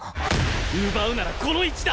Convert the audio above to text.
奪うならこの位置だ！